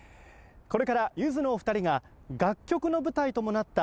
これからゆずのお二人が楽曲の舞台ともなった